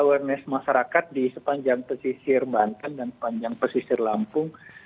awareness masyarakat di sepanjang pesisir banten dan panjang pesisir lampung